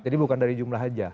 jadi bukan dari jumlah aja